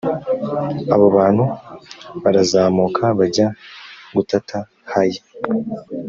abo bantu barazamuka bajya gutata hayi.